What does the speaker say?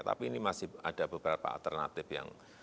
tapi ini masih ada beberapa alternatif yang